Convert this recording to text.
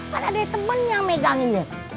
kan ada temen yang megangin dia